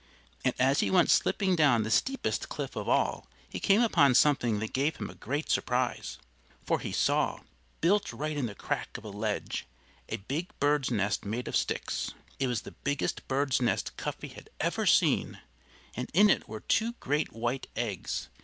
And as he went slipping down the steepest cliff of all he came upon something that gave him a great surprise. For he saw, built right in the crack of a ledge, a big bird's nest made of sticks. It was the biggest bird's nest Cuffy had ever seen; and in it were two great white eggs.